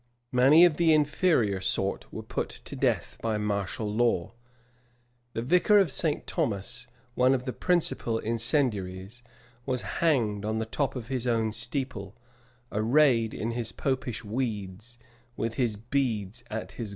Many of the inferior sort were put to death by martial law:[] the vicar of St. Thomas, one of the principal incendiaries, was hanged on the top of his own steeple, arrayed in his Popish weeds, with his beads at his girdle.